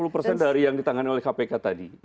lima puluh persen dari yang ditangani oleh kpk tadi